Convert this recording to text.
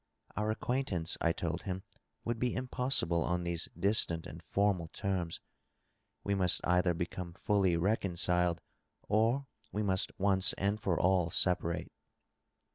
Our ac quaintance, I told him, would be impossible on these distant and formal terms. We must either become fully reconciled or we must once and for all separate.